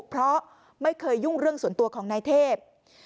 เพราะไม่เคยยุ่งเรื่องส่วนตัวของนายเทพ